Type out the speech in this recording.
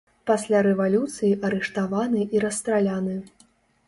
Пасля рэвалюцыі арыштаваны і расстраляны.